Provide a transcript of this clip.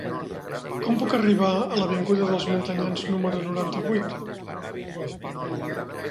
Com puc arribar a l'avinguda dels Montanyans número noranta-vuit?